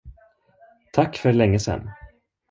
Tack för längesen!